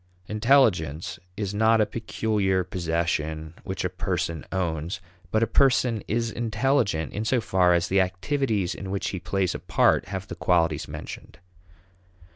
Intelligence is not a peculiar possession which a person owns; but a person is intelligent in so far as the activities in which he plays a part have the qualities mentioned.